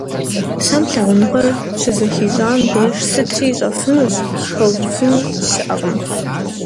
Псэм лъагъуныгъэр щызэхищӏам деж сытри ищӏэфынущ, пэувыфыни щыӏэкъым…